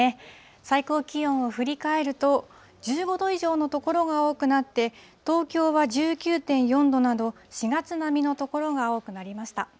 最高気温を振り返ると、１５度以上の所が多くなって、東京は１９．４度など、４月並みの所が多くなりました。